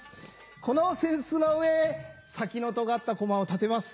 この扇子の上へ先のとがったこまを立てます。